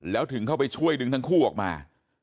แล้วถึงเข้าไปช่วยดึงทั้งคู่ออกมา